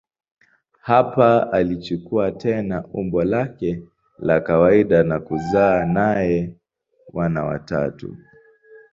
Hapa alichukua tena umbo lake la kawaida na kuzaa naye wana watatu.